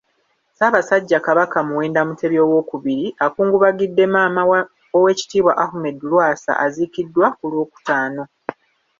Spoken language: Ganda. Ssaabasajja Kabaka Muwenda Mutebi Owookubiri, akungubagidde maama wa Oweekitiibwa Ahmed Lwasa aziikiddwa ku Lwokutaano.